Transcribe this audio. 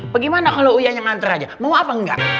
bagaimana kalau ujanya nganter aja mau apa